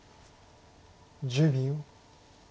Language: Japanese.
１０秒。